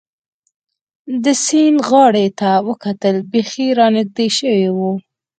د سیند غاړې ته وکتل، بېخي را نږدې شوي و.